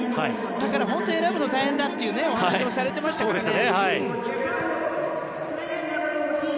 だから選ぶの大変だというお話をされていましたよね。